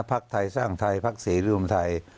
พรรคไทยสร้างไทยพรรคเสริมไทย